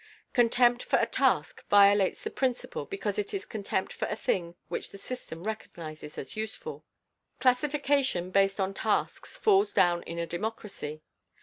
Contempt for a task violates the principle because it is contempt for a thing which the system recognizes as useful. Classification based on tasks falls down in a democracy.